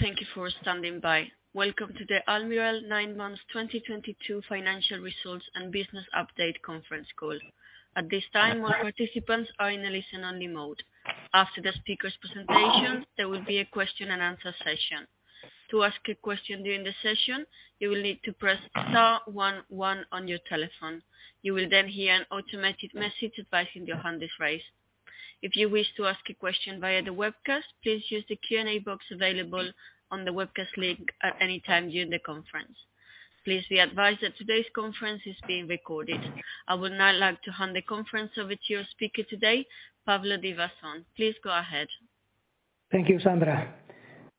Thank you for standing by. Welcome to the Almirall nine months 2022 financial results and business update conference call. At this time, all participants are in a listen-only mode. After the speaker's presentation, there will be a question and answer session. To ask a question during the session, you will need to press star one one on your telephone. You will then hear an automated message advising your hand is raised. If you wish to ask a question via the webcast, please use the Q&A box available on the webcast link at any time during the conference. Please be advised that today's conference is being recorded. I would now like to hand the conference over to your speaker today, Pablo Divasson. Please go ahead. Thank you, Sandra.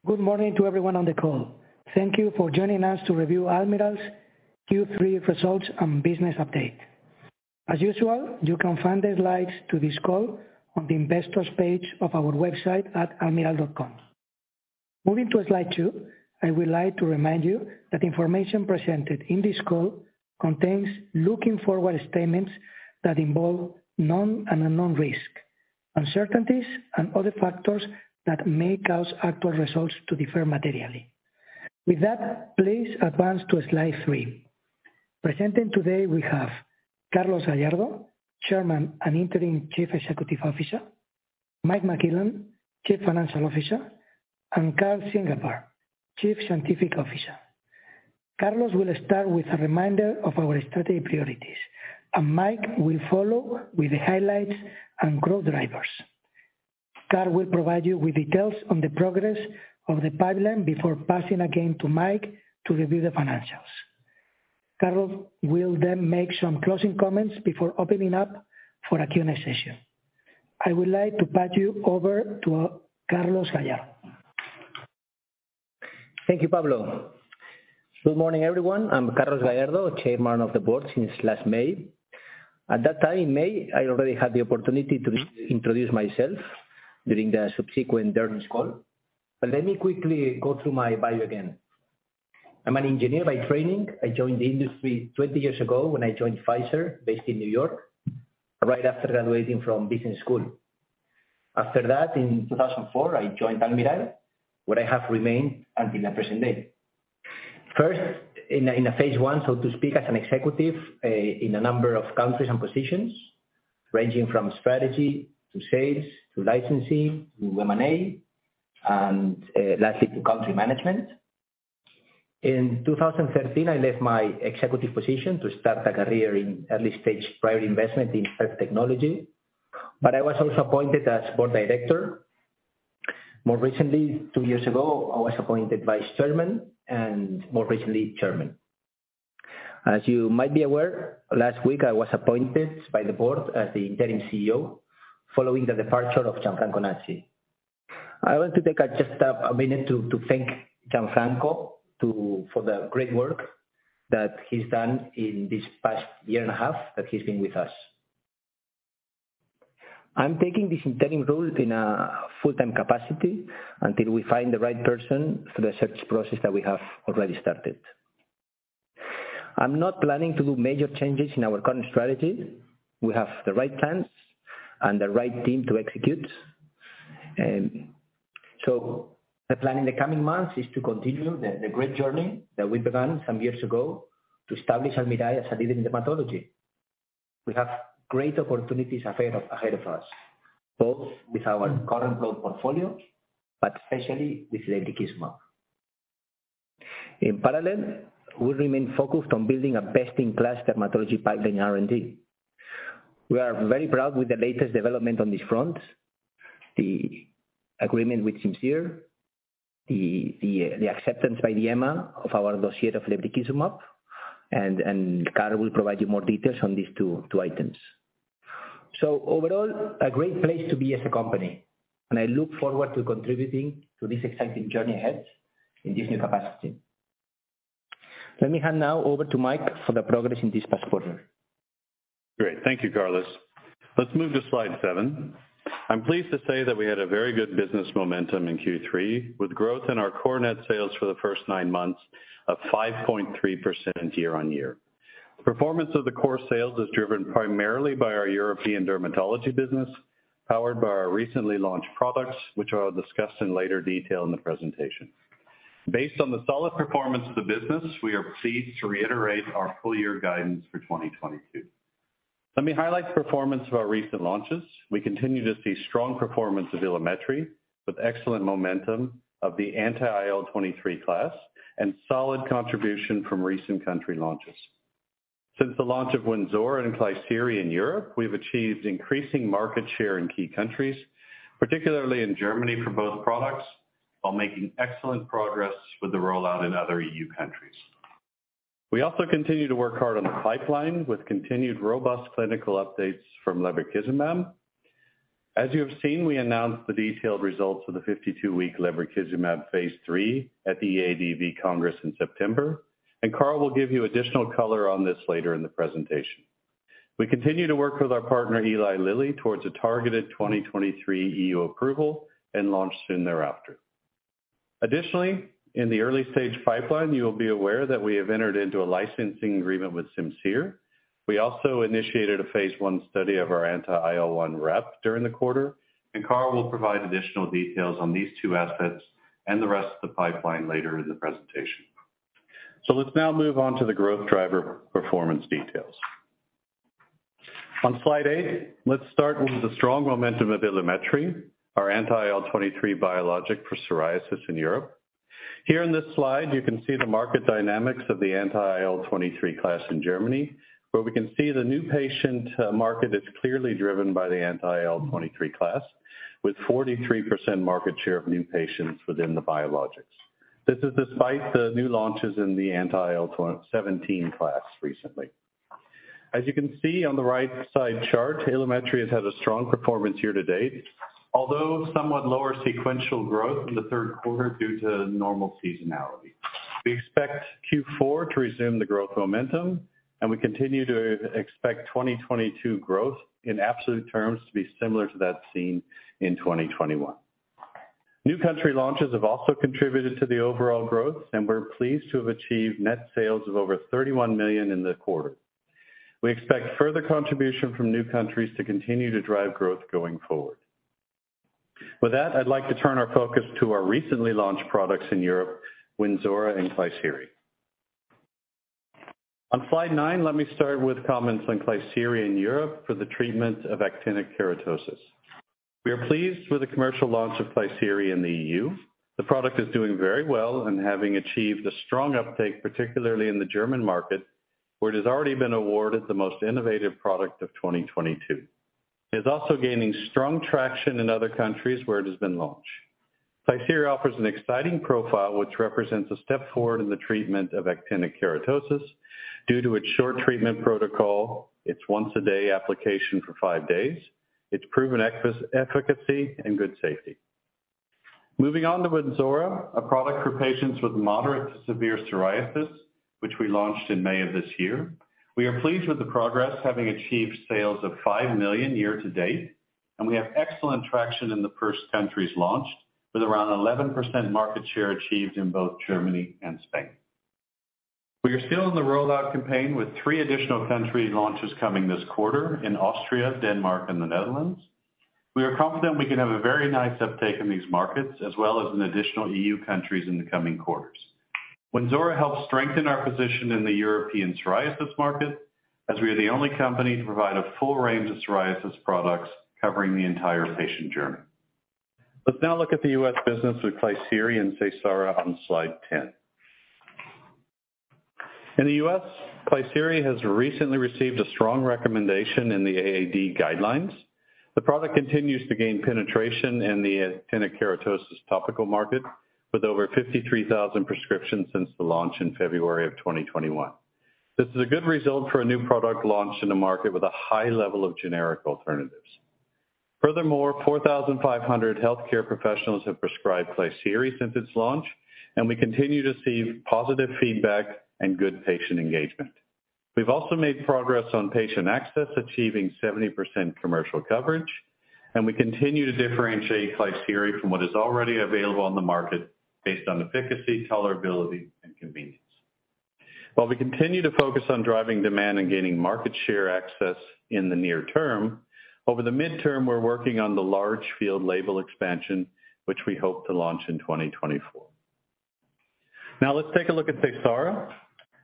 Good morning to everyone on the call. Thank you for joining us to review Almirall's Q3 results and business update. As usual, you can find the slides to this call on the investors page of our website at almirall.com. Moving to slide two, I would like to remind you that information presented in this call contains forward-looking statements that involve known and unknown risks, uncertainties, and other factors that may cause actual results to differ materially. With that, please advance to slide three. Presenting today, we have Carlos Gallardo Piqué, Chairman and Interim Chief Executive Officer, Mike McClellan, Chief Financial Officer, and Karl Ziegelbauer, Chief Scientific Officer. Carlos will start with a reminder of our strategic priorities, and Mike will follow with the highlights and growth drivers. Carl will provide you with details on the progress of the pipeline before passing again to Mike to review the financials. Carlos will then make some closing comments before opening up for a Q&A session. I would like to pass you over to Carlos Gallardo. Thank you, Pablo. Good morning, everyone. I'm Carlos Gallardo, Chairman of the board since last May. At that time, May, I already had the opportunity to re-introduce myself during the subsequent earnings call. Let me quickly go through my bio again. I'm an engineer by training. I joined the industry 20 years ago when I joined Pfizer, based in New York, right after graduating from business school. After that, in 2004, I joined Almirall, where I have remained until the present day. First, in a phase one, so to speak, as an executive, in a number of countries and positions, ranging from strategy to sales to licensing to M&A, and lastly, to country management. In 2013, I left my executive position to start a career in early-stage private investment in health technology, but I was also appointed as board director. More recently, two years ago, I was appointed vice chairman and more recently, chairman. As you might be aware, last week I was appointed by the board as the interim CEO following the departure of Gianfranco Nazzi. I want to take just a minute to thank Gianfranco for the great work that he's done in this past year and a half that he's been with us. I'm taking this interim role in a full-time capacity until we find the right person through the search process that we have already started. I'm not planning to do major changes in our current strategy. We have the right plans and the right team to execute. The plan in the coming months is to continue the great journey that we began some years ago to establish Almirall as a leader in dermatology. We have great opportunities ahead of us, both with our current global portfolio, but especially with Lebrikizumab. In parallel, we remain focused on building a best-in-class dermatology pipeline R&D. We are very proud with the latest development on this front, the agreement with Simcere, the acceptance by the EMA of our dossier of Lebrikizumab, and Karl will provide you more details on these two items. Overall, a great place to be as a company, and I look forward to contributing to this exciting journey ahead in this new capacity. Let me hand now over to Mike for the progress in this past quarter. Great. Thank you, Carlos. Let's move to slide seven. I'm pleased to say that we had a very good business momentum in Q3, with growth in our core net sales for the first nine months of 5.3% year-on-year. The performance of the core sales is driven primarily by our European dermatology business, powered by our recently launched products, which I'll discuss in later detail in the presentation. Based on the solid performance of the business, we are pleased to reiterate our full year guidance for 2022. Let me highlight the performance of our recent launches. We continue to see strong performance of Ilumetri with excellent momentum of the anti-IL-23 class and solid contribution from recent country launches. Since the launch of Wynzora and Klisyri in Europe, we've achieved increasing market share in key countries, particularly in Germany for both products, while making excellent progress with the rollout in other EU countries. We also continue to work hard on the pipeline with continued robust clinical updates from Lebrikizumab. As you have seen, we announced the detailed results of the 52-week Lebrikizumab phase III at the EADV Congress in September, and Karl will give you additional color on this later in the presentation. We continue to work with our partner, Eli Lilly, towards a targeted 2023 EU approval and launch soon thereafter. Additionally, in the early-stage pipeline, you'll be aware that we have entered into a licensing agreement with Simcere. We also initiated a phase I study of our anti-IL-1RAP during the quarter, and Karl will provide additional details on these two assets and the rest of the pipeline later in the presentation. Let's now move on to the growth driver performance details. On slide eight, let's start with the strong momentum of Ilumetri, our anti-IL-23 biologic for psoriasis in Europe. Here in this slide, you can see the market dynamics of the anti-IL-23 class in Germany, where we can see the new patient market is clearly driven by the anti-IL-23 class, with 43% market share of new patients within the biologics. This is despite the new launches in the anti-IL-17 class recently. As you can see on the right side chart, Ilumetri has had a strong performance year to date, although somewhat lower sequential growth in the third quarter due to normal seasonality. We expect Q4 to resume the growth momentum, and we continue to expect 2022 growth in absolute terms to be similar to that seen in 2021. New country launches have also contributed to the overall growth, and we're pleased to have achieved net sales of over 31 million in the quarter. We expect further contribution from new countries to continue to drive growth going forward. With that, I'd like to turn our focus to our recently launched products in Europe, Wynzora and Klisyri. On slide nine, let me start with comments on Klisyri in Europe for the treatment of actinic keratosis. We are pleased with the commercial launch of Klisyri in the EU. The product is doing very well and having achieved a strong uptake, particularly in the German market, where it has already been awarded the most innovative product of 2022. It's also gaining strong traction in other countries where it has been launched. Klisyri offers an exciting profile, which represents a step forward in the treatment of actinic keratosis due to its short treatment protocol, its once-a-day application for five days, its proven efficacy, and good safety. Moving on to Wynzora, a product for patients with moderate to severe psoriasis, which we launched in May of this year. We are pleased with the progress, having achieved sales of 5 million year to date, and we have excellent traction in the first countries launched with around 11% market share achieved in both Germany and Spain. We are still in the rollout campaign with three additional country launches coming this quarter in Austria, Denmark, and the Netherlands. We are confident we can have a very nice uptake in these markets as well as in additional EU countries in the coming quarters. Wynzora helps strengthen our position in the European psoriasis market as we are the only company to provide a full range of psoriasis products covering the entire patient journey. Let's now look at the U.S. business with Klisyri and Seysara on slide 10. In the U.S., Klisyri has recently received a strong recommendation in the AAD guidelines. The product continues to gain penetration in the actinic keratosis topical market with over 53,000 prescriptions since the launch in February 2021. This is a good result for a new product launched in a market with a high level of generic alternatives. Furthermore, 4,500 healthcare professionals have prescribed Klisyri since its launch, and we continue to see positive feedback and good patient engagement. We've also made progress on patient access, achieving 70% commercial coverage, and we continue to differentiate Klisyri from what is already available on the market based on efficacy, tolerability, and convenience. While we continue to focus on driving demand and gaining market share access in the near term, over the midterm, we're working on the large field label expansion, which we hope to launch in 2024. Now let's take a look at Seysara.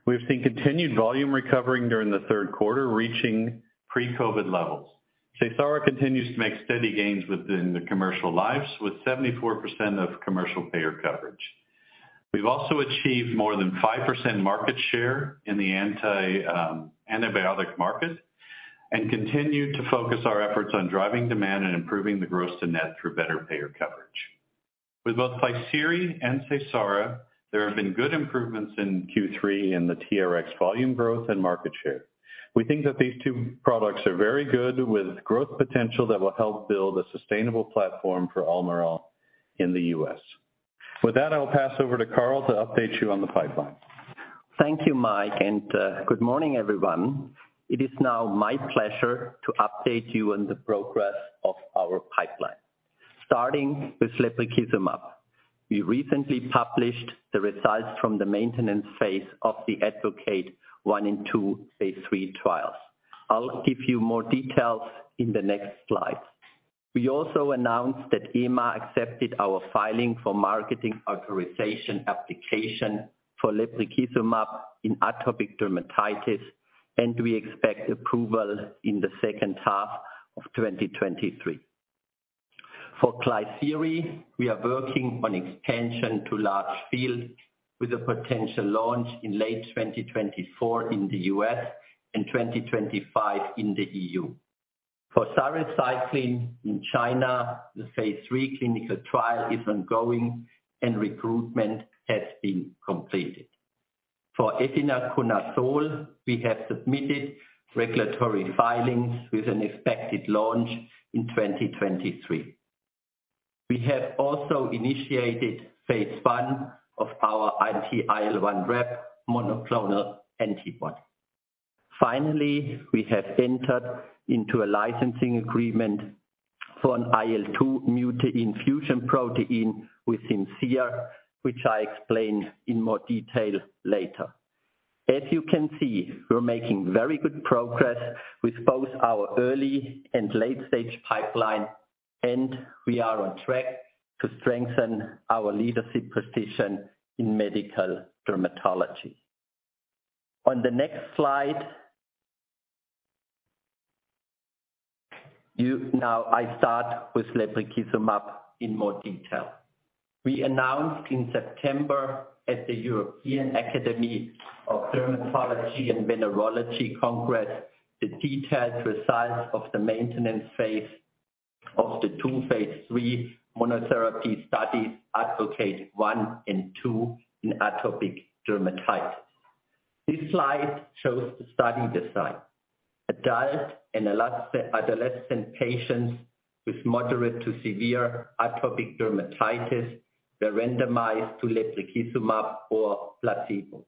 We've seen continued volume recovering during the third quarter, reaching pre-COVID levels. Seysara continues to make steady gains within the commercial lines with 74% of commercial payer coverage. We've also achieved more than 5% market share in the antibiotic market and continue to focus our efforts on driving demand and improving the gross to net through better payer coverage. With both Klisyri and Seysara, there have been good improvements in Q3 in the TRX volume growth and market share. We think that these two products are very good with growth potential that will help build a sustainable platform for Almirall in the US. With that, I'll pass over to Karl to update you on the pipeline. Thank you, Mike, and good morning, everyone. It is now my pleasure to update you on the progress of our pipeline. Starting with lebrikizumab. We recently published the results from the maintenance phase of the ADvocate one and two phase III trials. I'll give you more details in the next slide. We also announced that EMA accepted our filing for marketing authorization application for lebrikizumab in atopic dermatitis, and we expect approval in the second half of 2023. For Klisyri, we are working on expansion to large field with a potential launch in late 2024 in the US and 2025 in the EU. For sarecycline in China, the phase III clinical trial is ongoing and recruitment has been completed. For efinaconazole, we have submitted regulatory filings with an expected launch in 2023. We have also initiated phase I of our anti-IL-1RAP monoclonal antibody. Finally, we have entered into a licensing agreement for an IL-2 mutant fusion protein with Simcere, which I explain in more detail later. As you can see, we're making very good progress with both our early and late-stage pipeline, and we are on track to strengthen our leadership position in medical dermatology. On the next slide, now I start with lebrikizumab in more detail. We announced in September at the European Academy of Dermatology and Venereology Congress the detailed results of the maintenance phase of the two phase III monotherapy studies, ADvocate one and two in atopic dermatitis. This slide shows the study design. Adult and adolescent patients with moderate-to-severe atopic dermatitis were randomized to lebrikizumab or placebo.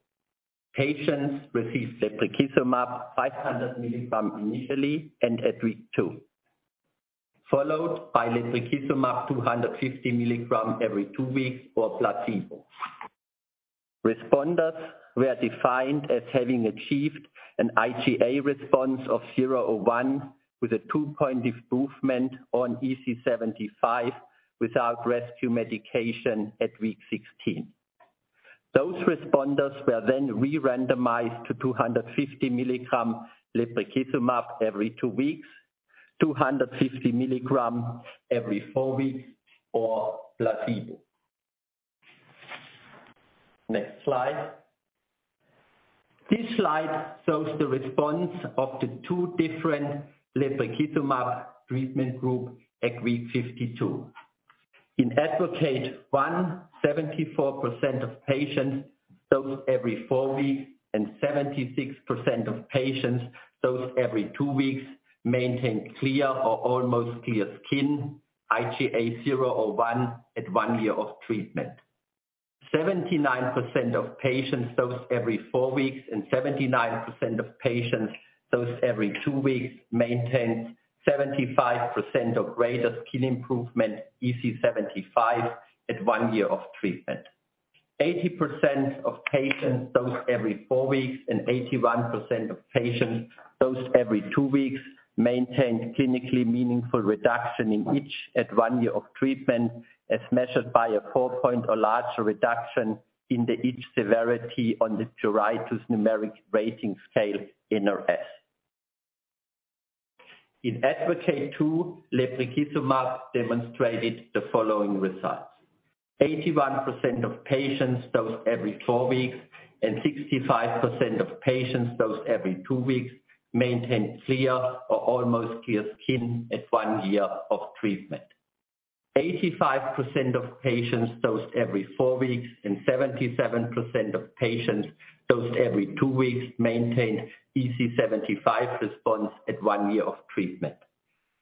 Patients received lebrikizumab 500 milligrams initially and at week two, followed by lebrikizumab 250 milligrams every two weeks or placebo. Responders were defined as having achieved an IGA response of zero or one with a two-point improvement on EASI 75 without rescue medication at week 16. Those responders were then re-randomized to 250 mg lebrikizumab every two weeks, 250 mg every four weeks or placebo. Next slide. This slide shows the response of the two different lebrikizumab treatment group at week 52. In ADvocate one, 74% of patients dosed every four weeks and 76% of patients dosed every two weeks maintained clear or almost clear skin, IGA zero or one at one year of treatment. 79% of patients dosed every four weeks and 79% of patients dosed every two weeks maintained 75% or greater skin improvement EASI 75 at one year of treatment. 80% of patients dosed every four weeks and 81% of patients dosed every two weeks maintained clinically meaningful reduction in itch at one year of treatment, as measured by a four-point or larger reduction in the itch severity on the Pruritus Numeric Rating Scale, NRS. In ADvocate two, lebrikizumab demonstrated the following results. 81% of patients dosed every four weeks and 65% of patients dosed every two weeks maintained clear or almost clear skin at one year of treatment. 85% of patients dosed every four weeks and 77% of patients dosed every two weeks maintained EASI 75 response at one year of treatment.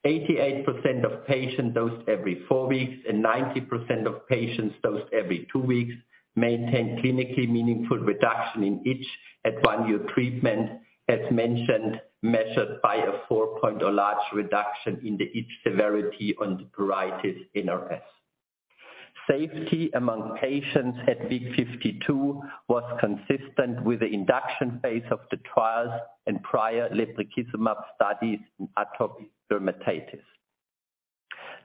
88% of patients dosed every four weeks and 90% of patients dosed every two weeks maintained clinically meaningful reduction in itch at one year treatment, as mentioned, measured by a four-point or greater reduction in the itch severity on the pruritus NRS. Safety among patients at week 52 was consistent with the induction phase of the trials and prior lebrikizumab studies in atopic dermatitis.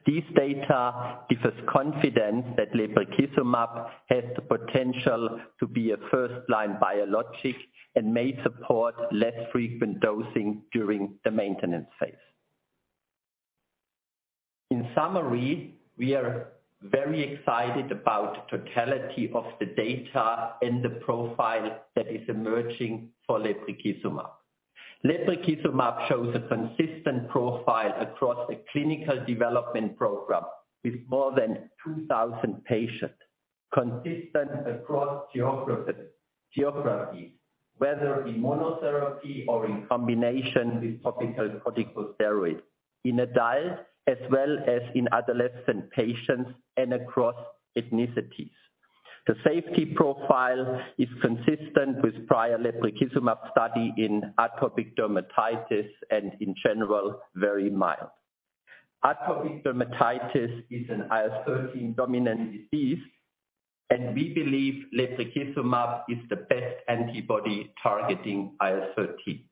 This data gives us confidence that lebrikizumab has the potential to be a first-line biologic and may support less frequent dosing during the maintenance phase. In summary, we are very excited about the totality of the data and the profile that is emerging for lebrikizumab. Lebrikizumab shows a consistent profile across the clinical development program with more than 2,000 patients, consistent across geography, whether in monotherapy or in combination with topical corticosteroids in adults as well as in adolescent patients and across ethnicities. The safety profile is consistent with prior lebrikizumab study in atopic dermatitis and in general, very mild. Atopic dermatitis is an IL-13 dominant disease, and we believe lebrikizumab is the best antibody targeting IL-13.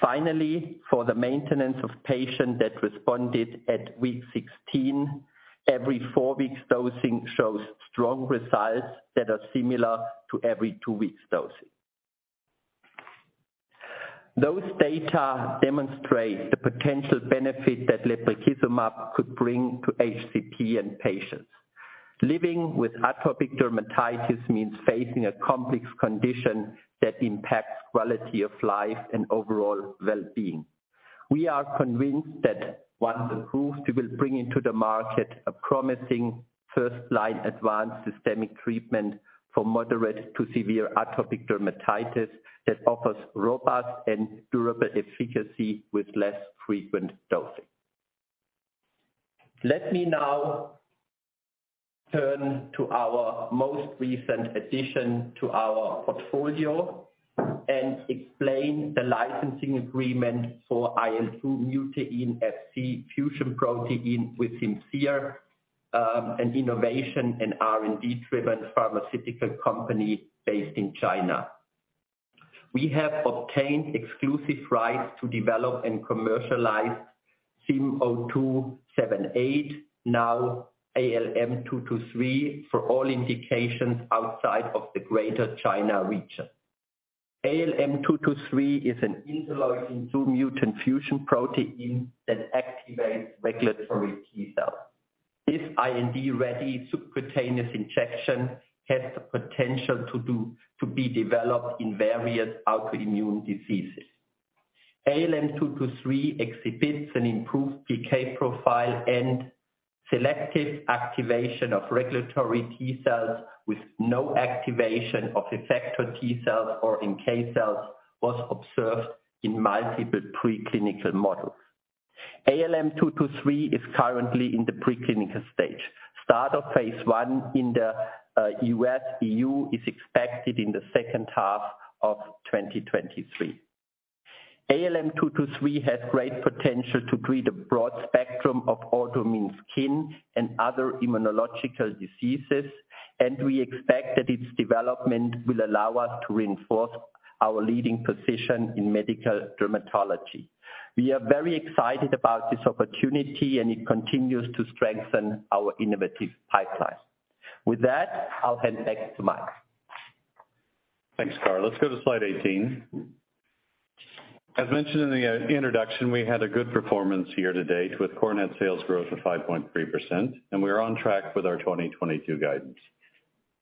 Finally, for the maintenance of patients that responded at week 16, every four weeks dosing shows strong results that are similar to every two weeks dosing. Those data demonstrate the potential benefit that lebrikizumab could bring to HCP and patients. Living with atopic dermatitis means facing a complex condition that impacts quality of life and overall well-being. We are convinced that once approved, we will bring into the market a promising first-line advanced systemic treatment for moderate to severe atopic dermatitis that offers robust and durable efficacy with less frequent dosing. Let me now turn to our most recent addition to our portfolio and explain the licensing agreement for IL-2 mutant FC fusion protein with Simcere, an innovation and R&D-driven pharmaceutical company based in China. We have obtained exclusive rights to develop and commercialize SIM0278, now ALM-223, for all indications outside of the Greater China region. ALM-223 is an interleukin-two mutant fusion protein that activates regulatory T cells. This IND-ready subcutaneous injection has the potential to be developed in various autoimmune diseases. ALM-223 exhibits an improved PK profile and selective activation of regulatory T cells with no activation of effector T cells or NK cells was observed in multiple preclinical models. ALM-223 is currently in the preclinical stage. Start of phase I in the US/EU is expected in the second half of 2023. ALM-223 has great potential to treat a broad spectrum of autoimmune skin and other immunological diseases, and we expect that its development will allow us to reinforce our leading position in medical dermatology. We are very excited about this opportunity, and it continues to strengthen our innovative pipeline. With that, I'll hand back to Mike. Thanks, Karl. Let's go to slide 18. As mentioned in the introduction, we had a good performance year-to-date with core net sales growth of 5.3%, and we are on track with our 2022 guidance.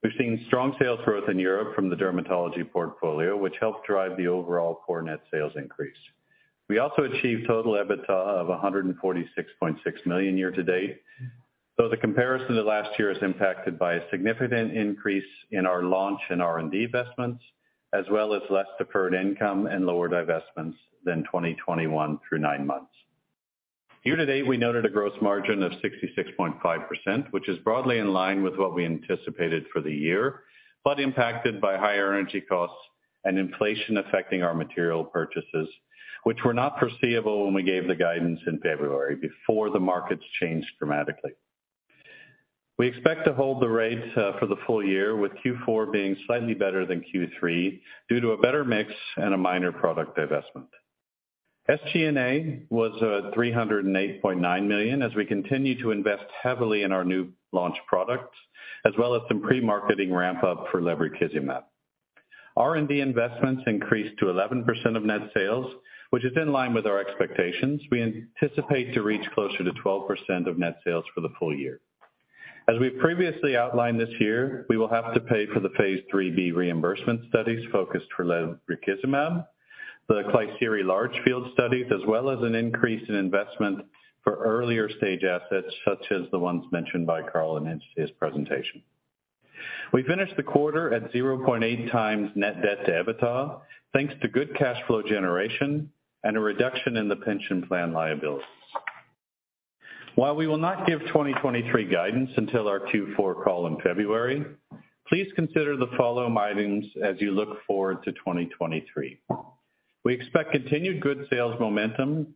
We're seeing strong sales growth in Europe from the dermatology portfolio, which helped drive the overall core net sales increase. We also achieved total EBITDA of 146.6 million year-to-date, though the comparison to last year is impacted by a significant increase in our launch and R&D investments, as well as less deferred income and lower divestments than 2021 through nine months. Year-to-date, we noted a gross margin of 66.5%, which is broadly in line with what we anticipated for the year. Impacted by higher energy costs and inflation affecting our material purchases, which were not foreseeable when we gave the guidance in February before the markets changed dramatically. We expect to hold the rates for the full year, with Q4 being slightly better than Q3 due to a better mix and a minor product divestment. SG&A was at 308.9 million as we continue to invest heavily in our new launch products, as well as some pre-marketing ramp up for lebrikizumab. R&D investments increased to 11% of net sales, which is in line with our expectations. We anticipate to reach closer to 12% of net sales for the full year. As we've previously outlined this year, we will have to pay for the phase 3b reimbursement studies focused for lebrikizumab, the ADvocate large field studies, as well as an increase in investment for earlier stage assets, such as the ones mentioned by Karl in his presentation. We finished the quarter at 0.8 times net debt to EBITDA, thanks to good cash flow generation and a reduction in the pension plan liabilities. While we will not give 2023 guidance until our Q4 call in February, please consider the following items as you look forward to 2023. We expect continued good sales momentum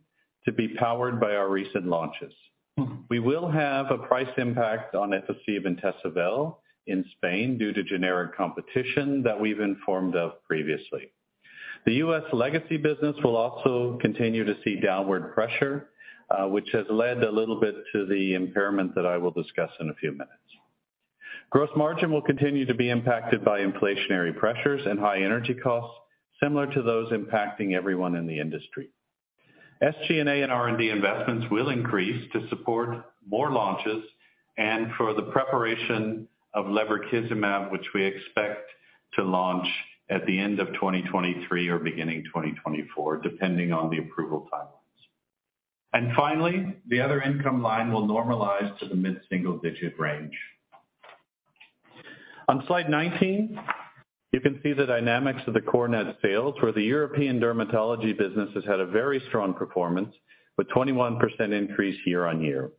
to be powered by our recent launches. We will have a price impact on Actikerall and Tesavel in Spain due to generic competition that we've informed of previously. The US legacy business will also continue to see downward pressure, which has led a little bit to the impairment that I will discuss in a few minutes. Gross margin will continue to be impacted by inflationary pressures and high energy costs, similar to those impacting everyone in the industry. SG&A and R&D investments will increase to support more launches and for the preparation of lebrikizumab, which we expect to launch at the end of 2023 or beginning 2024, depending on the approval timelines. Finally, the other income line will normalize to the mid-single-digit range. On slide 19, you can see the dynamics of the core net sales, where the European dermatology business has had a very strong performance with 21% increase year-on-year.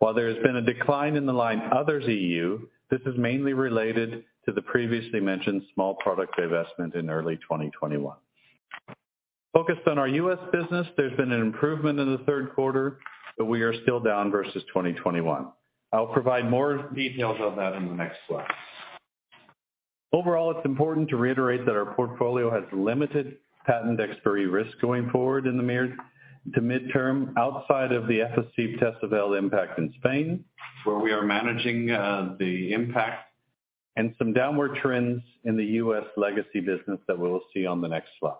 While there has been a decline in the line Others EU, this is mainly related to the previously mentioned small product divestment in early 2021. Focused on our US business, there's been an improvement in the third quarter, but we are still down versus 2021. I'll provide more details on that in the next slide. Overall, it's important to reiterate that our portfolio has limited patent expiry risk going forward in the mid- to mid-term outside of the Actikerall Tesavel impact in Spain, where we are managing the impact and some downward trends in the US legacy business that we will see on the next slide.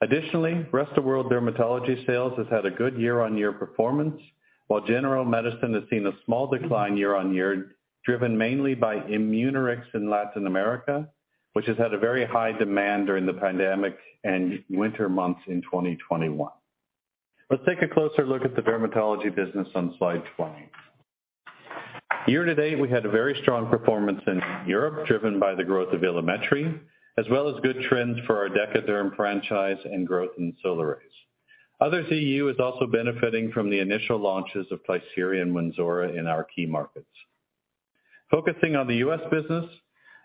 Additionally, rest of world dermatology sales has had a good year-on-year performance, while general medicine has seen a small decline year-on-year, driven mainly by Immunoryx in Latin America, which has had a very high demand during the pandemic and winter months in 2021. Let's take a closer look at the dermatology business on slide 20. Year-to-date, we had a very strong performance in Europe, driven by the growth of Ilumetri, as well as good trends for our Decoderm franchise and growth in Solaraze. Other EU is also benefiting from the initial launches of Klisyri and Wynzora in our key markets. Focusing on the US business,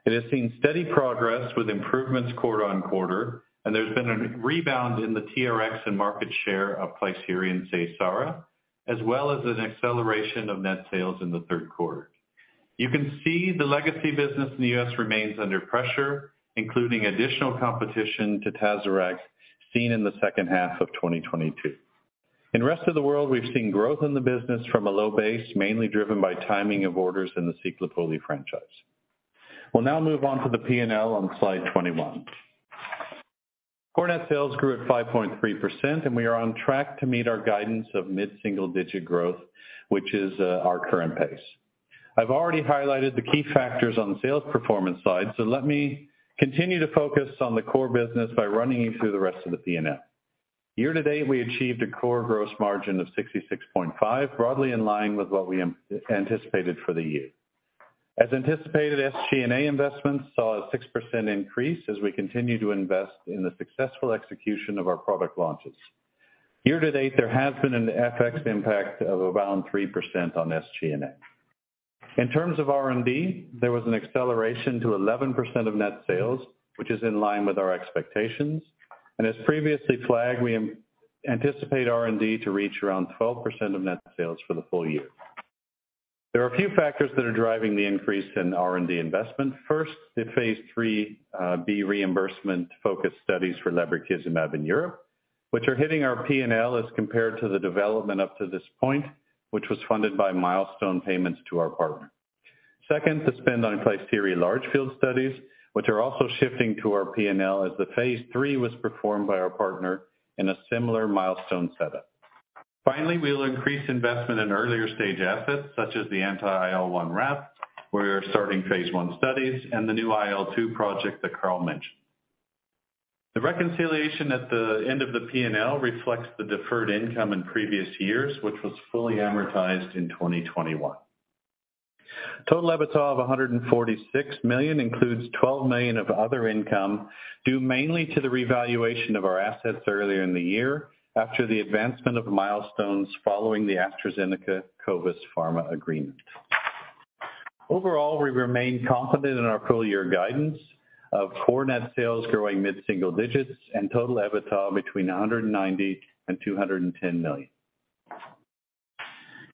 it has seen steady progress with improvements quarter-on-quarter, and there's been a rebound in the TRX and market share of Klisyri and Seysara, as well as an acceleration of net sales in the third quarter. You can see the legacy business in the US remains under pressure, including additional competition to Tazorac seen in the second half of 2022. In rest of the world, we've seen growth in the business from a low base, mainly driven by timing of orders in the Ciclopoli franchise. We'll now move on to the P&L on slide 21. Core net sales grew at 5.3%, and we are on track to meet our guidance of mid-single digit growth, which is our current pace. I've already highlighted the key factors on the sales performance side, so let me continue to focus on the core business by running you through the rest of the P&L. Year to date, we achieved a core gross margin of 66.5%, broadly in line with what we anticipated for the year. As anticipated, SG&A investments saw a 6% increase as we continue to invest in the successful execution of our product launches. Year to date, there has been an FX impact of around 3% on SG&A. In terms of R&D, there was an acceleration to 11% of net sales, which is in line with our expectations. As previously flagged, we anticipate R&D to reach around 12% of net sales for the full year. There are a few factors that are driving the increase in R&D investment. First, the phase 3 B reimbursement-focused studies for Lebrikizumab in Europe, which are hitting our P&L as compared to the development up to this point, which was funded by milestone payments to our partner. Second, the spend on lebrikizumab large field studies, which are also shifting to our P&L as the phase III was performed by our partner in a similar milestone setup. Finally, we'll increase investment in earlier stage assets, such as the anti-IL-1RAP, where we're starting phase I studies and the new IL-2 project that Karl mentioned. The reconciliation at the end of the P&L reflects the deferred income in previous years, which was fully amortized in 2021. Total EBITDA of 146 million includes 12 million of other income, due mainly to the revaluation of our assets earlier in the year after the advancement of milestones following the AstraZeneca Covis Pharma agreement. Overall, we remain confident in our full year guidance of core net sales growing mid-single digits% and total EBITDA between 190 million and 210 million.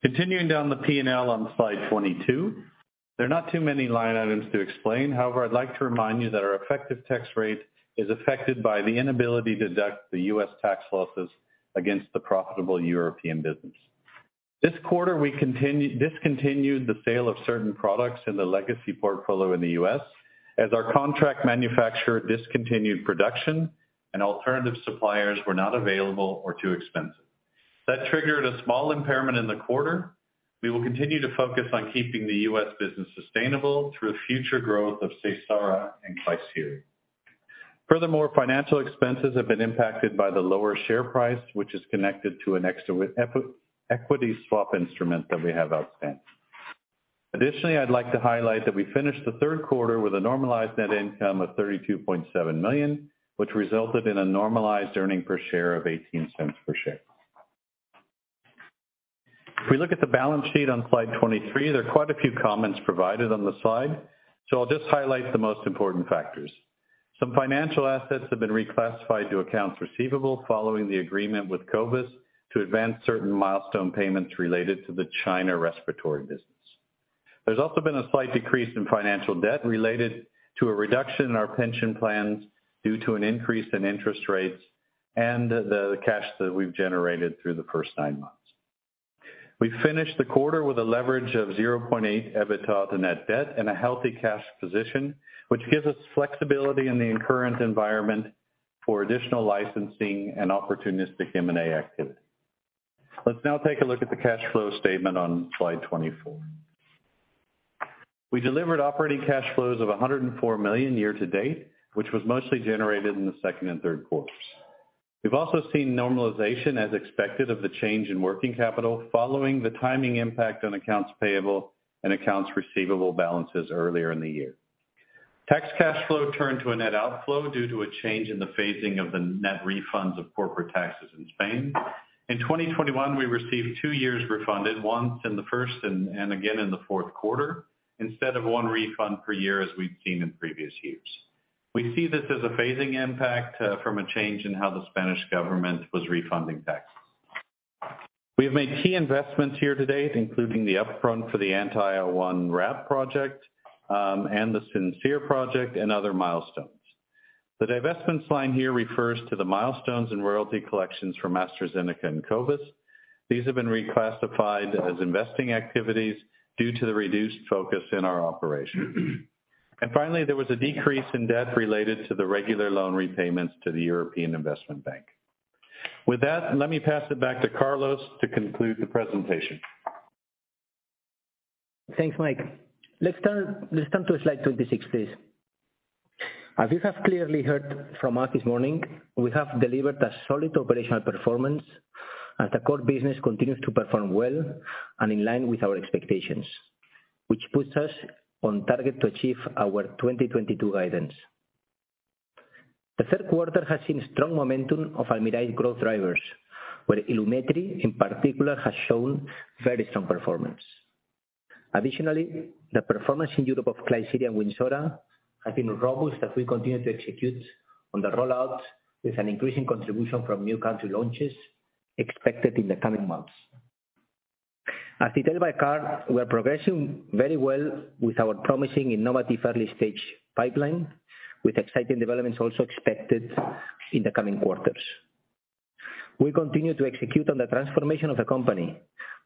Continuing down the P&L on slide 22. There are not too many line items to explain. However, I'd like to remind you that our effective tax rate is affected by the inability to deduct the US tax losses against the profitable European business. This quarter, we discontinued the sale of certain products in the legacy portfolio in the US as our contract manufacturer discontinued production and alternative suppliers were not available or too expensive. That triggered a small impairment in the quarter. We will continue to focus on keeping the US business sustainable through future growth of Seysara and Klisyri. Furthermore, financial expenses have been impacted by the lower share price, which is connected to an extra equity swap instrument that we have outstanding. Additionally, I'd like to highlight that we finished the third quarter with a normalized net income of 32.7 million, which resulted in a normalized earnings per share of 0.18 per share. If we look at the balance sheet on slide 23, there are quite a few comments provided on the slide, so I'll just highlight the most important factors. Some financial assets have been reclassified to accounts receivable following the agreement with Covis to advance certain milestone payments related to the China respiratory business. There's also been a slight decrease in financial debt related to a reduction in our pension plans due to an increase in interest rates and the cash that we've generated through the first nine months. We finished the quarter with a leverage of 0.8 EBITDA to net debt and a healthy cash position, which gives us flexibility in the current environment for additional licensing and opportunistic M&A activity. Let's now take a look at the cash flow statement on slide 24. We delivered operating cash flows of 104 million year to date, which was mostly generated in the second and third quarters. We've also seen normalization as expected of the change in working capital following the timing impact on accounts payable and accounts receivable balances earlier in the year. Tax cash flow turned to a net outflow due to a change in the phasing of the net refunds of corporate taxes in Spain. In 2021, we received two years refunded, once in the first and again in the fourth quarter, instead of one refund per year as we've seen in previous years. We see this as a phasing impact from a change in how the Spanish government was refunding taxes. We have made key investments here to date, including the upfront for the anti-IL-1RAP project and the Simcere project and other milestones. The divestments line here refers to the milestones and royalty collections from AstraZeneca and Covis. These have been reclassified as investing activities due to the reduced focus in our operations. Finally, there was a decrease in debt related to the regular loan repayments to the European Investment Bank. With that, let me pass it back to Carlos to conclude the presentation. Thanks, Mike. Let's turn to slide 26, please. As you have clearly heard from us this morning, we have delivered a solid operational performance, and the core business continues to perform well and in line with our expectations, which puts us on target to achieve our 2022 guidance. The third quarter has seen strong momentum of Almirall growth drivers, where Ilumetri, in particular, has shown very strong performance. Additionally, the performance in Europe of Klisyri and Wynzora has been robust as we continue to execute on the rollout with an increasing contribution from new country launches expected in the coming months. As detailed by Karl, we are progressing very well with our promising innovative early-stage pipeline, with exciting developments also expected in the coming quarters. We continue to execute on the transformation of the company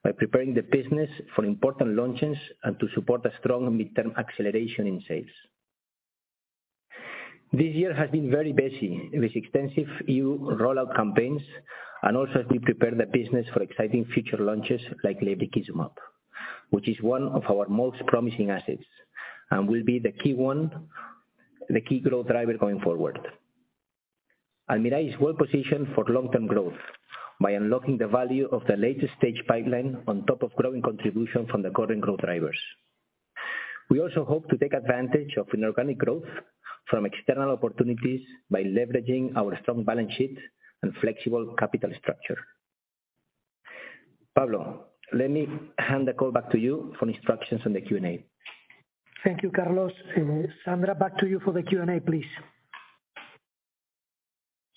by preparing the business for important launches and to support a strong midterm acceleration in sales. This year has been very busy with extensive EU rollout campaigns and also as we prepare the business for exciting future launches like Lebrikizumab, which is one of our most promising assets and will be the key growth driver going forward. Almirall is well-positioned for long-term growth by unlocking the value of the latest stage pipeline on top of growing contribution from the current growth drivers. We also hope to take advantage of inorganic growth from external opportunities by leveraging our strong balance sheet and flexible capital structure. Pablo, let me hand the call back to you for instructions on the Q&A. Thank you, Carlos. Sandra, back to you for the Q&A, please.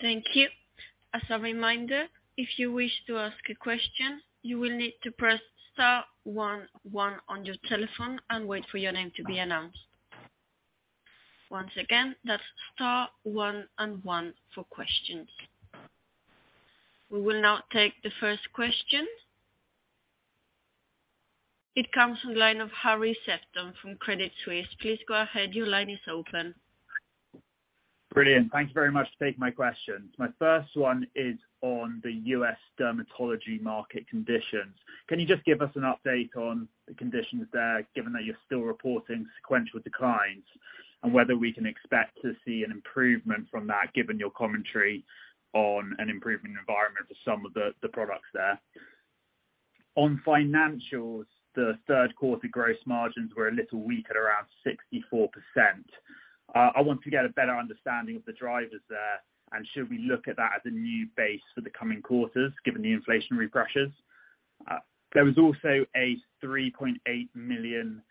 Thank you. As a reminder, if you wish to ask a question, you will need to press star one one on your telephone and wait for your name to be announced. Once again, that's star one and one for questions. We will now take the first question. It comes from the line of Harry Sherburn from Credit Suisse. Please go ahead. Your line is open. Brilliant. Thank you very much for taking my question. My first one is on the U.S. dermatology market conditions. Can you just give us an update on the conditions there, given that you're still reporting sequential declines? Whether we can expect to see an improvement from that, given your commentary on an improvement environment for some of the products there. On financials, the third quarter gross margins were a little weak at around 64%. I want to get a better understanding of the drivers there, and should we look at that as a new base for the coming quarters, given the inflationary pressures? There was also a 3.8 million euro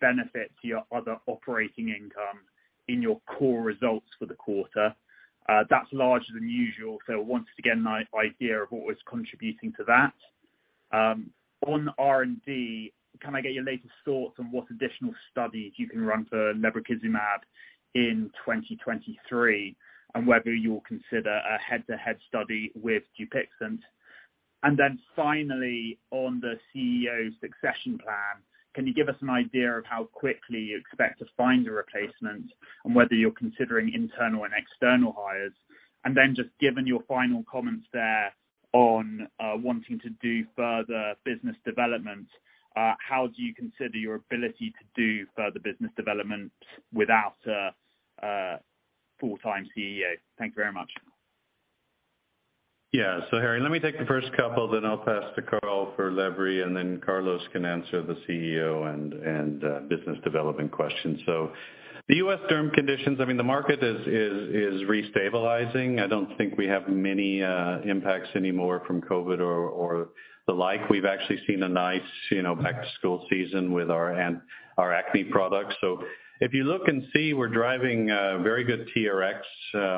benefit to your other operating income in your core results for the quarter. That's larger than usual. Once again, an idea of what was contributing to that. On R&D, can I get your latest thoughts on what additional studies you can run for Lebrikizumab in 2023, and whether you'll consider a head-to-head study with Dupixent? Finally, on the CEO succession plan, can you give us an idea of how quickly you expect to find a replacement and whether you're considering internal and external hires? Just given your final comments there on wanting to do further business development, how do you consider your ability to do further business development without a full-time CEO? Thank you very much. Yeah. Harry, let me take the first couple, then I'll pass to Karl for Ebglyss, and then Carlos can answer the CEO and business development question. The US derm conditions, I mean, the market is restabilizing. I don't think we have many impacts anymore from COVID or the like. We've actually seen a nice, you know, back-to-school season with our our acne products. If you look and see, we're driving very good TRX.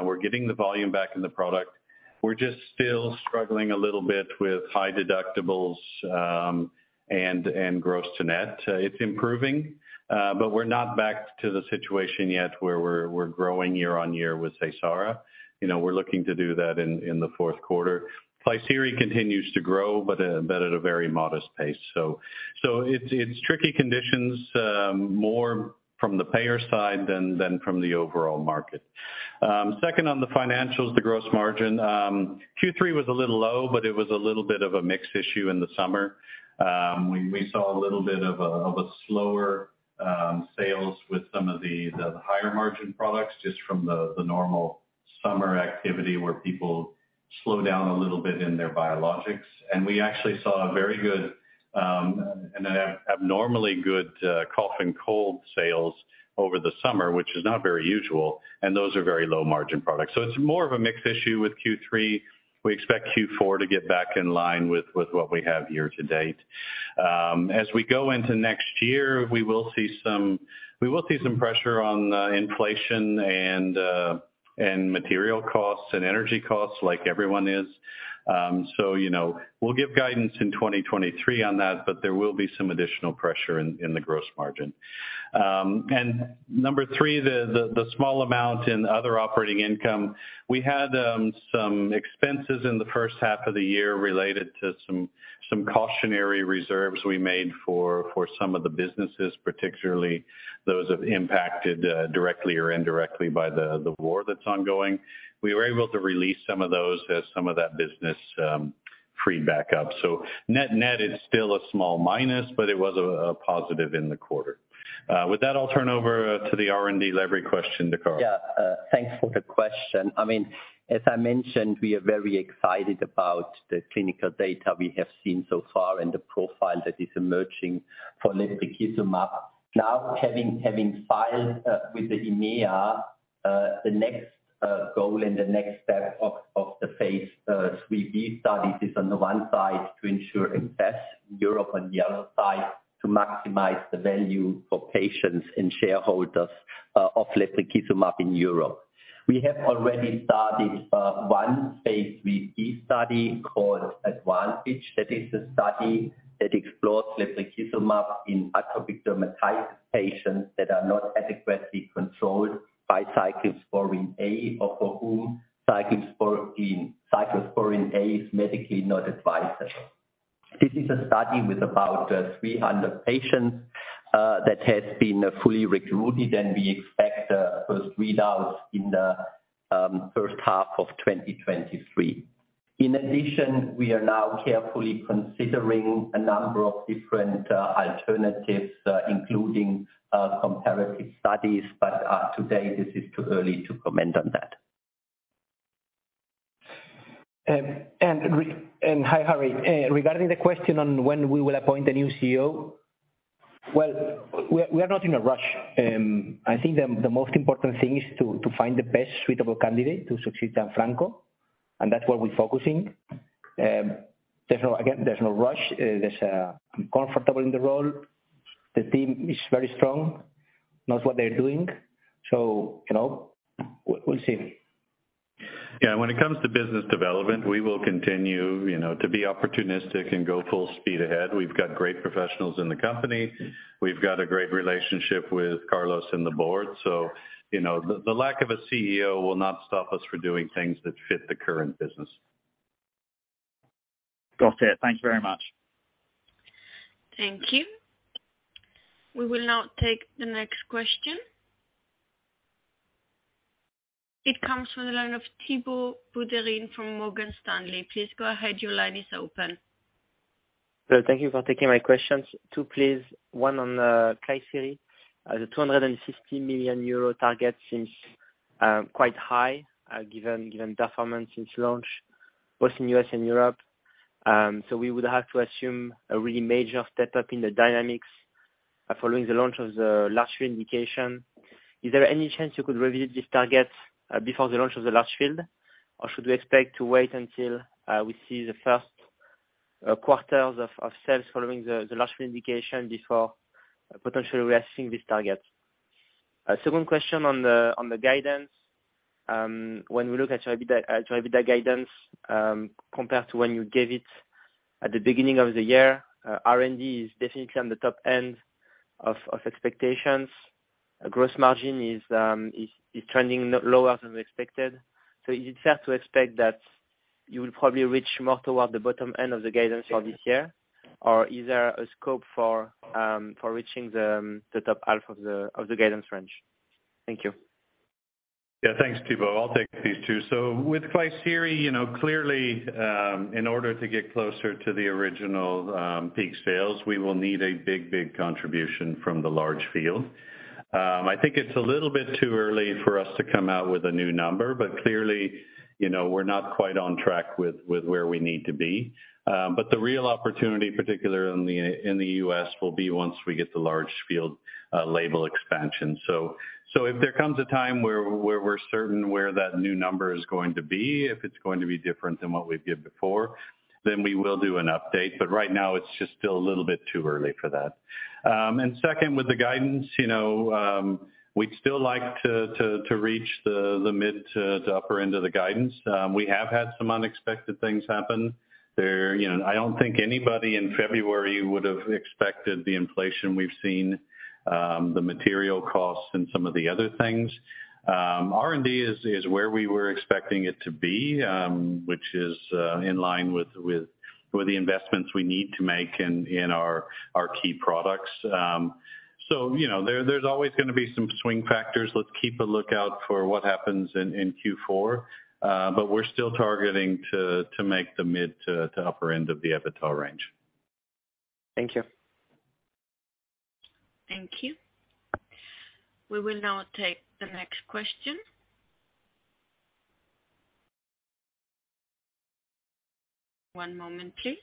We're getting the volume back in the product. We're just still struggling a little bit with high deductibles and gross to net. It's improving, but we're not back to the situation yet where we're growing year on year with Seysara. You know, we're looking to do that in the fourth quarter. Klisyri continues to grow, but at a very modest pace. It's tricky conditions, more from the payer side than from the overall market. Second, on the financials, the gross margin. Q3 was a little low, but it was a little bit of a mixed issue in the summer. We saw a little bit of a slower sales with some of the higher margin products just from the normal summer activity where people slow down a little bit in their biologics. We actually saw a very good, an abnormally good, cough and cold sales over the summer, which is not very usual, and those are very low margin products. It's more of a mix issue with Q3. We expect Q4 to get back in line with what we have year to date. As we go into next year, we will see some pressure on inflation and material costs and energy costs like everyone is. You know, we'll give guidance in 2023 on that, but there will be some additional pressure in the gross margin. Number three, the small amount in other operating income. We had some expenses in the first half of the year related to some cautionary reserves we made for some of the businesses, particularly those that impacted directly or indirectly by the war that's ongoing. We were able to release some of those as some of that business freed back up. Net net is still a small minus, but it was a positive in the quarter. With that, I'll turn over to the R&D delivery question, Dakar. Yeah, thanks for the question. I mean, as I mentioned, we are very excited about the clinical data we have seen so far and the profile that is emerging for lebrikizumab. Now, having filed with the EMA, the next goal and the next step of the phase 3B studies is on the one side to ensure investment in Europe, on the other side to maximize the value for patients and shareholders of lebrikizumab in Europe. We have already started one phase 3B study called ADvantage. That is a study that explores lebrikizumab in atopic dermatitis patients that are not adequately controlled by cyclosporine A or for whom cyclosporine A is medically not advised. This is a study with about 300 patients that has been fully recruited, and we expect those readouts in the first half of 2023. In addition, we are now carefully considering a number of different alternatives including comparative studies. Today this is too early to comment on that. Hi, Harry. Regarding the question on when we will appoint a new CEO, well, we are not in a rush. I think the most important thing is to find the best suitable candidate to succeed Gianfranco, and that's where we're focusing. There's no, again, there's no rush. I'm comfortable in the role. The team is very strong, knows what they're doing, so, you know, we'll see. Yeah, when it comes to business development, we will continue, you know, to be opportunistic and go full speed ahead. We've got great professionals in the company. We've got a great relationship with Carlos and the board. You know, the lack of a CEO will not stop us from doing things that fit the current business. Got it. Thank you very much. Thank you. We will now take the next question. It comes from the line of Thibault Boutherin from Morgan Stanley. Please go ahead. Your line is open. Thank you for taking my questions. Two, please. One on Klisyri. The 260 million euro target seems quite high, given performance since launch, both in U.S. and Europe. We would have to assume a really major step-up in the dynamics following the launch of the large field indication. Is there any chance you could review this target before the launch of the large field? Or should we expect to wait until we see the first quarters of sales following the large field indication before potentially reassessing this target? Second question on the guidance. When we look at your EBITDA, your EBITDA guidance compared to when you gave it at the beginning of the year, R&D is definitely on the top end of expectations. Gross margin is trending lower than we expected. Is it fair to expect that you will probably reach more toward the bottom end of the guidance for this year? Or is there a scope for reaching the top half of the guidance range? Thank you. Yeah, thanks, Thibault. I'll take these two. With Klisyri, you know, clearly, in order to get closer to the original peak sales, we will need a big contribution from the large field. I think it's a little bit too early for us to come out with a new number, but clearly, you know, we're not quite on track with where we need to be. But the real opportunity, particularly in the U.S., will be once we get the large field label expansion. If there comes a time where we're certain where that new number is going to be, if it's going to be different than what we've given before, then we will do an update. But right now, it's just still a little bit too early for that. Second, with the guidance, you know, we'd still like to reach the mid to upper end of the guidance. We have had some unexpected things happen. There, you know, I don't think anybody in February would have expected the inflation we've seen, the material costs and some of the other things. R&D is where we were expecting it to be, which is in line with the investments we need to make in our key products. So, you know, there's always gonna be some swing factors. Let's keep a lookout for what happens in Q4. We're still targeting to make the mid to upper end of the EBITDA range. Thank you. Thank you. We will now take the next question. One moment, please.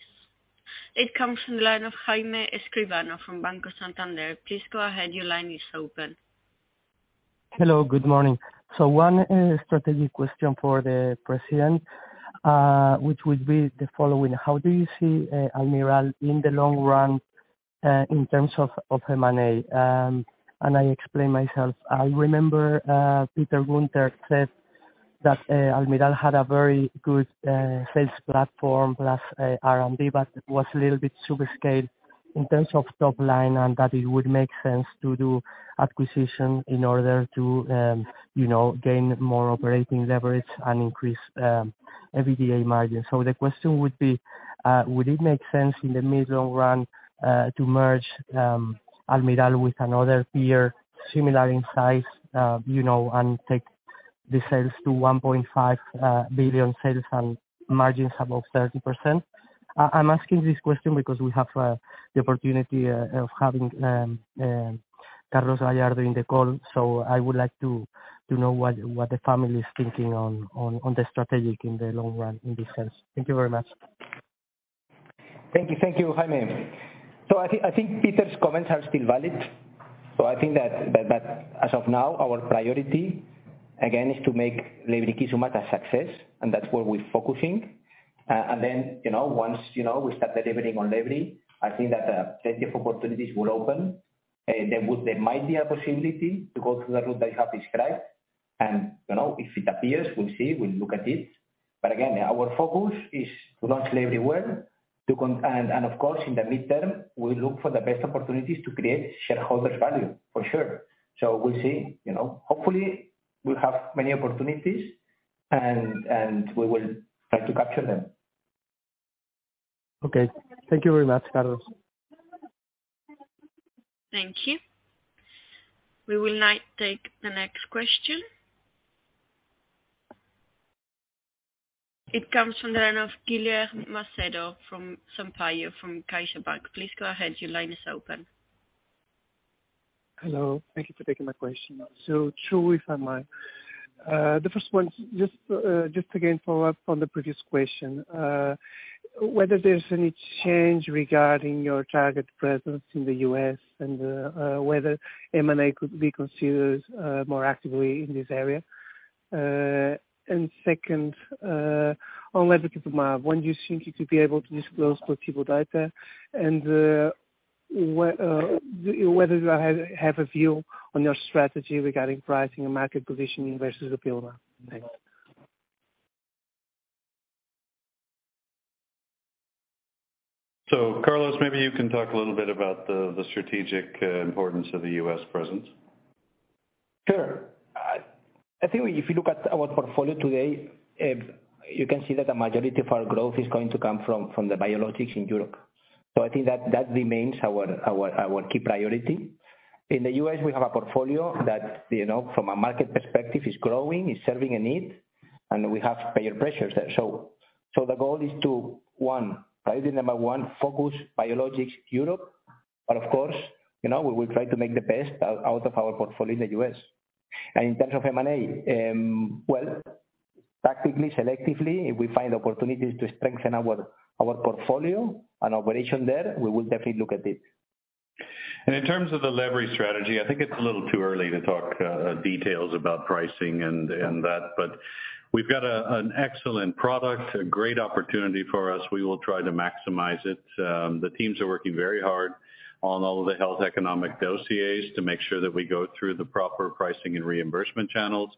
It comes from the line of Jaime Escribano from Banco Santander. Please go ahead. Your line is open. Hello, good morning. One strategic question for the president, which would be the following. How do you see Almirall in the long run in terms of M&A? I explain myself. I remember Peter Guenter said that Almirall had a very good sales platform plus R&D, but it was a little bit super scaled in terms of top line, and that it would make sense to do acquisition in order to you know, gain more operating leverage and increase EBITDA margin. The question would be, would it make sense in the medium run to merge Almirall with another peer similar in size, you know, and take the sales to 1.5 billion sales and margins above 30%. I'm asking this question because we have the opportunity of having Carlos Gallardo Piqué in the call, so I would like to know what the family is thinking on the strategic in the long run in this sense. Thank you very much. Thank you. Thank you, Jaime. I think Peter's comments are still valid. I think that as of now, our priority, again, is to make Lebrikizumab a success, and that's where we're focusing and then, you know, once, you know, we start delivering on Ebglyss, I think that plenty of opportunities will open. There might be a possibility to go through the route I have described, and, you know, if it appears, we'll see, we'll look at it. Again, our focus is to launch Ebglyss well, and of course, in the midterm, we look for the best opportunities to create shareholder value, for sure. We'll see, you know. Hopefully, we'll have many opportunities and we will try to capture them. Okay. Thank you very much, Carlos. Thank you. We will now take the next question. It comes from the line of Guilherme Sampaio from CaixaBank. Please go ahead. Your line is open. Hello. Thank you for taking my question. Two if I may. The first one, just again, follow up on the previous question. Whether there's any change regarding your target presence in the U.S. and whether M&A could be considered more actively in this area, and second, on Lebrikizumab, when do you think you could be able to disclose full pivotal data, and whether you have a view on your strategy regarding pricing and market positioning versus Dupixent? Thanks. Carlos, maybe you can talk a little bit about the strategic importance of the U.S. presence. Sure. I think if you look at our portfolio today, you can see that the majority of our growth is going to come from the biologics in Europe. I think that remains our key priority. In the U.S., we have a portfolio that, you know, from a market perspective, is growing, is serving a need, and we have payer pressures there. The goal is to, one, priority number one, focus biologics Europe, but of course, you know, we will try to make the best out of our portfolio in the U.S. In terms of M&A, well, tactically, selectively, if we find opportunities to strengthen our portfolio and operation there, we will definitely look at it. In terms of the Ebglyss strategy, I think it's a little too early to talk details about pricing and that, but we've got an excellent product, a great opportunity for us. We will try to maximize it. The teams are working very hard on all of the health economic dossiers to make sure that we go through the proper pricing and reimbursement channels.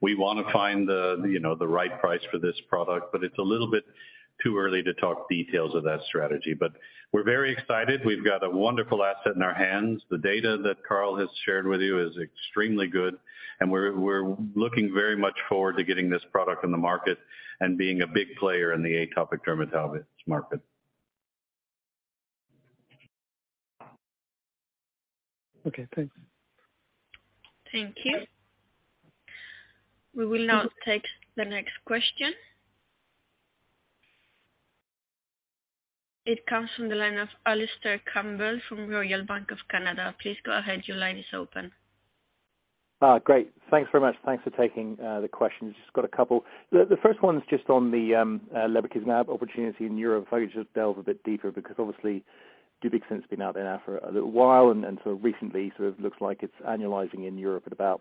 We wanna find the, you know, the right price for this product, but it's a little bit too early to talk details of that strategy. But we're very excited. We've got a wonderful asset in our hands. The data that Karl has shared with you is extremely good, and we're looking very much forward to getting this product in the market and being a big player in the atopic dermatitis market. Okay, thanks. Thank you. We will now take the next question. It comes from the line of Alistair Campbell from Royal Bank of Canada. Please go ahead. Your line is open. Great. Thanks very much. Thanks for taking the questions. Just got a couple. The first one's just on the Lebrikizumab opportunity in Europe. If I could just delve a bit deeper, because obviously, Dupixent's been out there now for a little while, and sort of recently looks like it's annualizing in Europe at about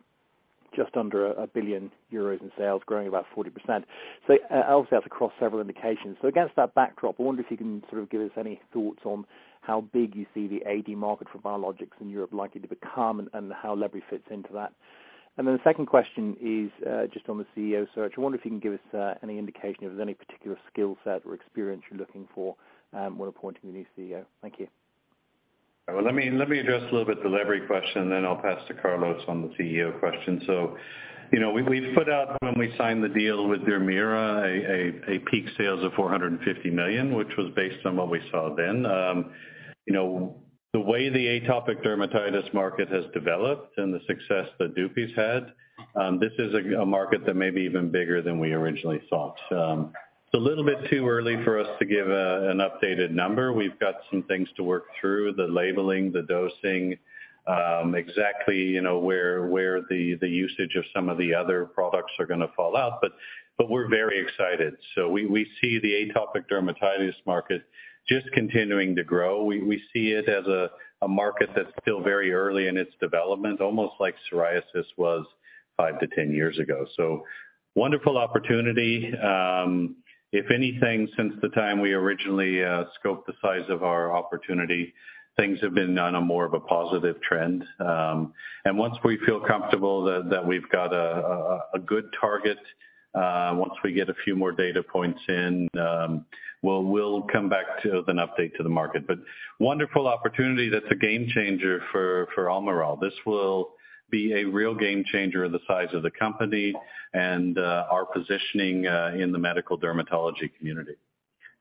just under 1 billion euros in sales, growing about 40%. Obviously that's across several indications. Against that backdrop, I wonder if you can sort of give us any thoughts on how big you see the AD market for biologics in Europe likely to become and how Ebglyss fits into that. The second question is just on the CEO search. I wonder if you can give us any indication if there's any particular skill set or experience you're looking for, when appointing a new CEO. Thank you. Well, let me address a little bit the Ebglyss question, then I'll pass to Carlos on the CEO question. You know, we put out when we signed the deal with Dermira a peak sales of 450 million, which was based on what we saw then. You know, the way the atopic dermatitis market has developed and the success that Dupixent had, this is a market that may be even bigger than we originally thought. It's a little bit too early for us to give an updated number. We've got some things to work through, the labeling, the dosing, exactly, you know, where the usage of some of the other products are gonna fall out. We're very excited. You know, we see the atopic dermatitis market just continuing to grow. We see it as a market that's still very early in its development, almost like psoriasis was five to 10 years ago. Wonderful opportunity. If anything, since the time we originally scoped the size of our opportunity, things have been on a more of a positive trend. Once we feel comfortable that we've got a good target, once we get a few more data points in, we'll come back to with an update to the market. Wonderful opportunity that's a game changer for Almirall. This will be a real game changer in the size of the company and our positioning in the medical dermatology community.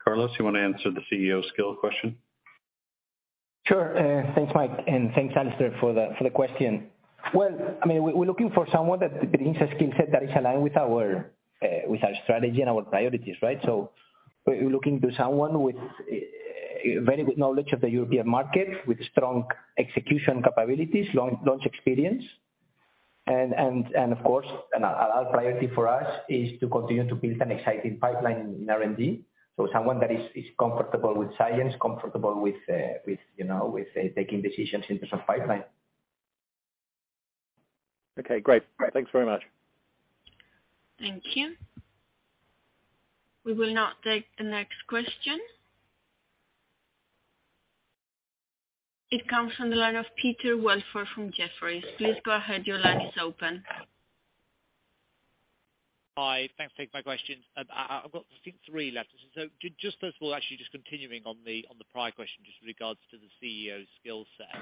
Carlos, you wanna answer the CEO skill question? Sure. Thanks, Mike, and thanks, Alistair, for the question. I mean, we're looking for someone that brings a skill set that is aligned with our strategy and our priorities, right? We're looking to someone with very good knowledge of the European market, with strong execution capabilities, launch experience. Of course, a priority for us is to continue to build an exciting pipeline in R&D. Someone that is comfortable with science, comfortable with, you know, taking decisions in terms of pipeline. Okay, great. Great. Thanks very much. Thank you. We will now take the next question. It comes from the line of Peter Welford from Jefferies. Please go ahead. Your line is open. Hi. Thanks for taking my question. I've got I think three left. Just first of all, actually just continuing on the prior question, just regards to the CEO skill set.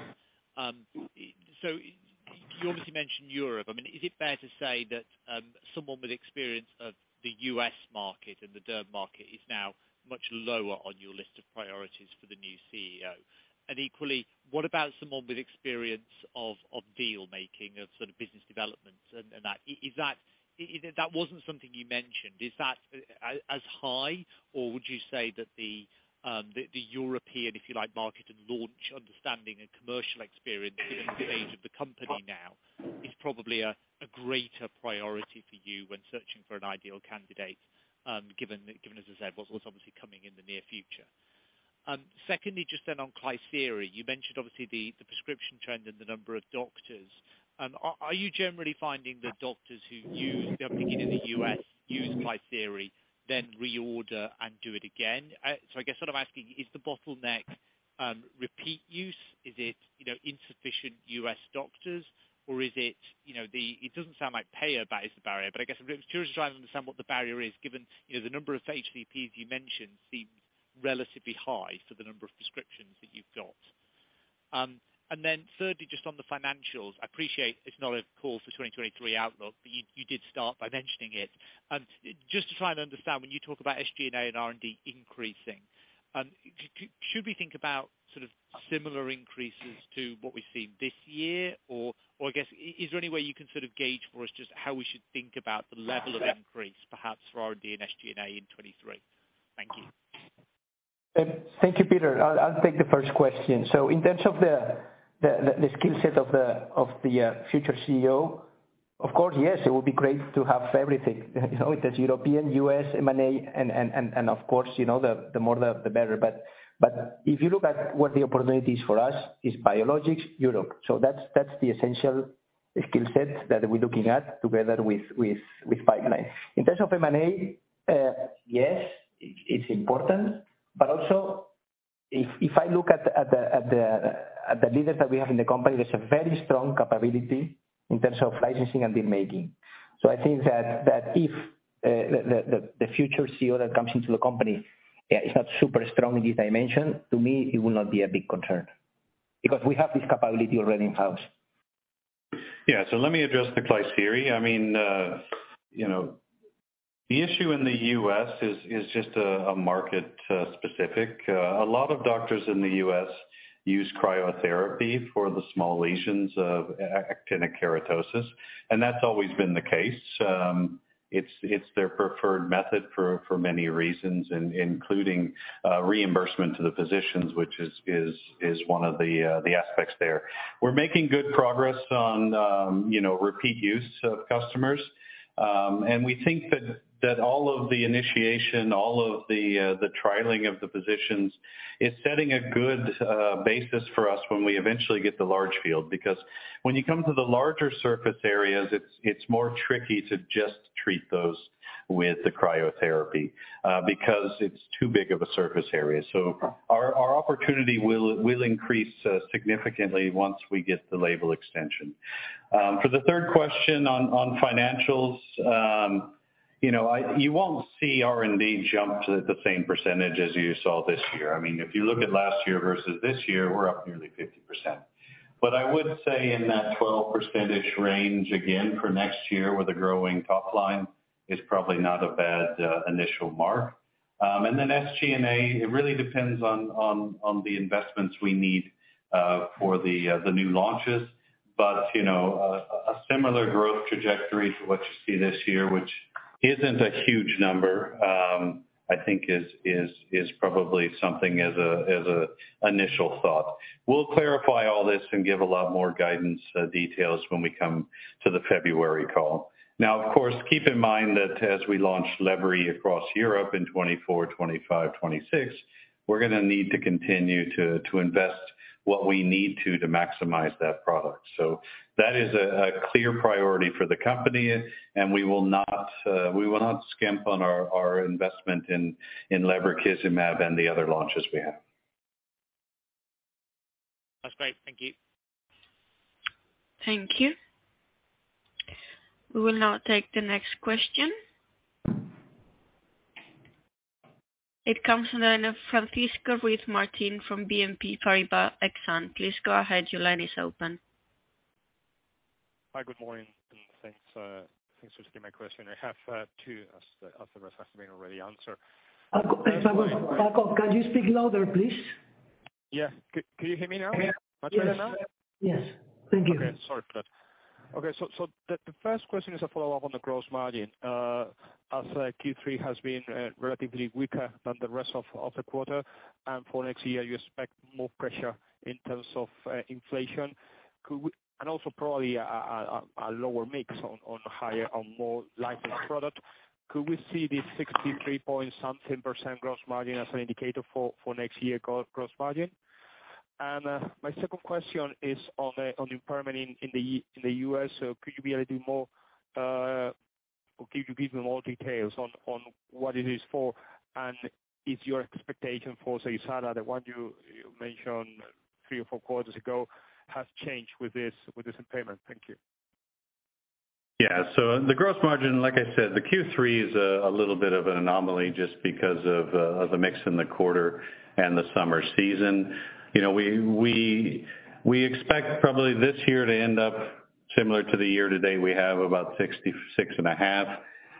You obviously mentioned Europe. I mean, is it fair to say that someone with experience of the US market and the Derm market is now much lower on your list of priorities for the new CEO? And equally, what about someone with experience of deal making, of sort of business development and that? Is that. That wasn't something you mentioned. Is that as high, or would you say that the European, if you like, market and launch understanding and commercial experience given the stage of the company now, is probably a greater priority for you when searching for an ideal candidate, given that, as I said, what's obviously coming in the near future? Secondly, just then on cryosurgery, you mentioned obviously the prescription trend and the number of doctors. Are you generally finding that doctors who use, beginning in the U.S., use cryosurgery then reorder and do it again? So I guess what I'm asking, is the bottleneck repeat use? Is it, you know insufficient U.S. doctors? Or is it, you know the It doesn't sound like payer base is the barrier, but I guess I'm curious to try and understand what the barrier is given, you know, the number of HCP, as you mentioned, seems relatively high for the number of prescriptions that you've got, and then thirdly, just on the financials, I appreciate it's not a call for 2023 outlook, but you did start by mentioning it. Just to try and understand, when you talk about SG&A and R&D increasing, should we think about sort of similar increases to what we've seen this year? Or I guess, is there any way you can sort of gauge for us just how we should think about the level of increase, perhaps for R&D and SG&A in 2023? Thank you. Thank you, Peter. I'll take the first question. In terms of the skill set of the future CEO, of course, yes, it would be great to have everything. You know, there's European, US, M&A, and of course, you know, the more the better. If you look at what the opportunity is for us, it's biologics, Europe. That's the essential skill set that we're looking at together with pipeline. In terms of M&A, yes, it's important, but also if I look at the leaders that we have in the company, there's a very strong capability in terms of licensing and deal making. I think that if the future CEO that comes into the company is not super strong in this dimension, to me, it will not be a big concern because we have this capability already in-house. Yeah. Let me address the cryotherapy. I mean, you know, the issue in the U.S. is just a market specific. A lot of doctors in the U.S. use cryotherapy for the small lesions of actinic keratosis and that's always been the case. It's their preferred method for many reasons, including reimbursement to the physicians, which is one of the aspects there. We're making good progress on, you know, repeat use of customers, and we think that all of the initiation, all of the trialing of the physicians is setting a good basis for us when we eventually get the large field. Because when you come to the larger surface areas, it's more tricky to just treat those with the cryotherapy, because it's too big of a surface area. Our opportunity will increase significantly once we get the label extension. For the third question on financials, you know, you won't see R&D jump to the same percentage as you saw this year. I mean, if you look at last year versus this year, we're up nearly 50%. I would say in that 12% range again for next year with a growing top line is probably not a bad initial mark. Then SG&A, it really depends on the investments we need for the new launches. You know, a similar growth trajectory to what you see this year, which isn't a huge number, I think is probably something as an initial thought. We'll clarify all this and give a lot more guidance, details when we come to the February call. Now, of course, keep in mind that as we launch Ebglyss across Europe in 2024, 2025, 2026, we're gonna need to continue to invest what we need to maximize that product. That is a clear priority for the company, and we will not skimp on our investment in Lebrikizumab and the other launches we have. That's great. Thank you. Thank you. We will now take the next question. It comes from the line of Francisco Ruiz Martín from BNP Paribas Exane. Please go ahead. Your line is open. Hi, good morning, and thanks for taking my question. I have two as the rest have been already answered. Paco, can you speak louder, please? Yeah. Can you hear me now? Much better now? Yes. Thank you. Okay. Sorry for that. The first question is a follow-up on the gross margin. Q3 has been relatively weaker than the rest of the quarter, and for next year you expect more pressure in terms of inflation. Could we also probably have a lower mix on higher or more low-margin product. Could we see the 63-something% gross margin as an indicator for next year gross margin? My second question is on the impairment in the US. Could you be a little bit more, or could you give me more details on what it is for? Is your expectation for Seysara, the one you mentioned three or four quarters ago, changed with this impairment? Thank you. The gross margin, like I said, the Q3 is a little bit of an anomaly just because of the mix in the quarter and the summer season. You know, we expect probably this year to end up similar to the year to date. We have about 66.5%.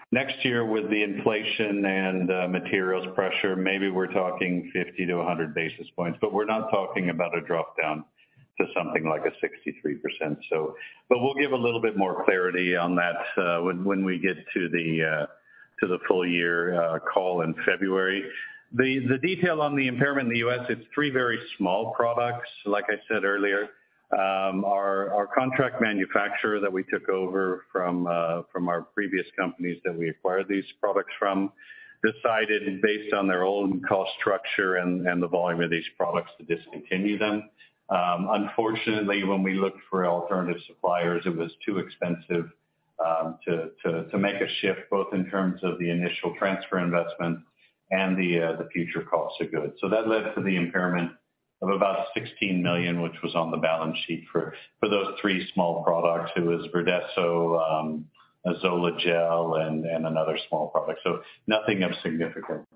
Next year with the inflation and materials pressure, maybe we're talking 50-100 basis points, but we're not talking about a dropdown to something like a 63%. We'll give a little bit more clarity on that when we get to the full year call in February. The detail on the impairment in the U.S., it's three very small products. Like I said earlier, our contract manufacturer that we took over from our previous companies that we acquired these products from decided based on their own cost structure and the volume of these products to discontinue them. Unfortunately, when we looked for alternative suppliers, it was too expensive to make a shift, both in terms of the initial transfer investment and the future costs of goods. That led to the impairment of about 16 million, which was on the balance sheet for those three small products. It was Verdeso, Azelex and another small product. Nothing of significance.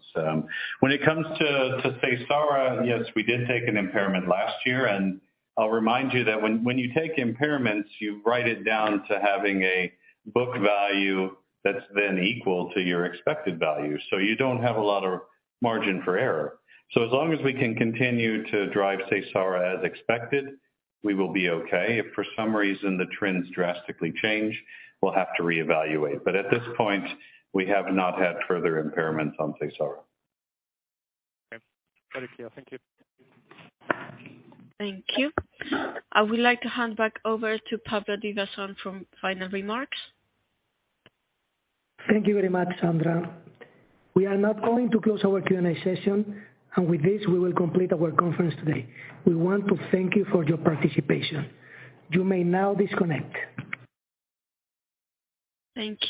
When it comes to Seysara, yes, we did take an impairment last year, and I'll remind you that when you take impairments, you write it down to having a book value that's then equal to your expected value. You don't have a lot of margin for error. As long as we can continue to drive Seysara as expected, we will be okay. If for some reason the trends drastically change, we'll have to reevaluate. At this point, we have not had further impairments on Seysara. Okay. Very clear. Thank you. Thank you. I would like to hand back over to Pablo Divasson for final remarks. Thank you very much, Sandra. We are now going to close our Q&A session, and with this we will complete our conference today. We want to thank you for your participation. You may now disconnect. Thank you.